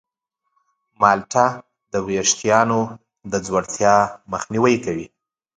مالټه د ویښتانو د ځوړتیا مخنیوی کوي.